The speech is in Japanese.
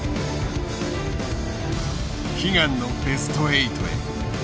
悲願のベスト８へ。